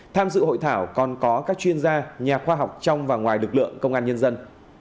tham dự hội thảo còn có các chuyên gia nhà khoa học trong và ngoài lực lượng công an nhân dân